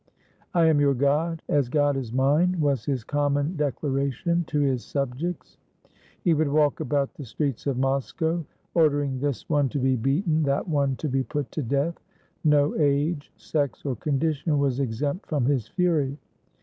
"I am your God, as God is mine," was his common dec laration to his subjects. He would walk about the streets of Moscow, ordering this one to be beaten, that one to be put to death. No age, sex, or condition was exempt from his fury.